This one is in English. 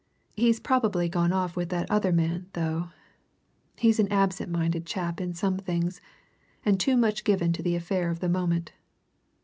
He's probably gone off with that other man, though he's an absent minded chap in some things, and too much given to the affair of the moment.